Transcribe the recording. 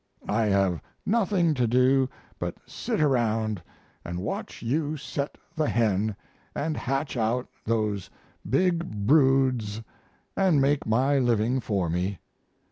I have nothing to do but sit around and watch you set the hen and hatch out those big broods and make my living for me.